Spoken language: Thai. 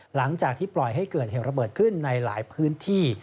หลังจากที่ปล่อยให้เกิดเหตุระเบิดขึ้นในหลายพื้นที่